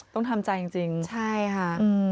ต้องทำใจจริงใช่ค่ะ